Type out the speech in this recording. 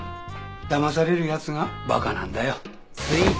だまされるやつがバカなんだよ。